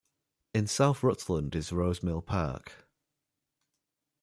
In south Rutland is Rose Mill Park.